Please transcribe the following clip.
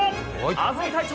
安住隊長！